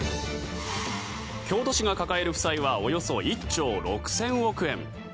京都市が抱える負債はおよそ１兆６０００億円。